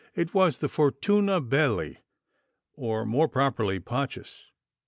'It was the fortuna belli, or more properly pacis.